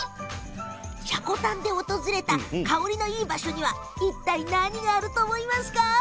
積丹で訪れた香りのいい場所にはいったい何があると思いますか？